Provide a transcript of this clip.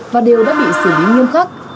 và đều đã bị xử lý nghiêm khắc